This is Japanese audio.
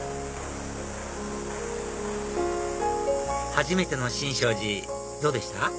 初めての新勝寺どうでした？